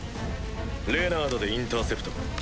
レナードでインターセプト。